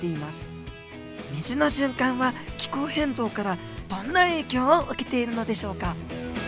水の循環は気候変動からどんな影響を受けているのでしょうか。